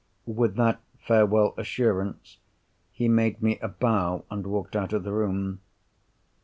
With that farewell assurance, he made me a bow, and walked out of the room.